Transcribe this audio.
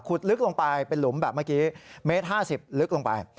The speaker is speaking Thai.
ขุดลึกลงไปเป็นหลุมแบบเมตร๕๐ลึกลงไป